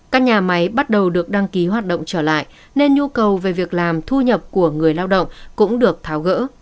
các nhà máy bắt đầu được đăng ký hoạt động trở lại nên nhu cầu về việc làm thu nhập của người lao động cũng được tháo gỡ